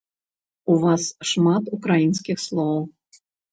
У вас шмат украінскіх слоў.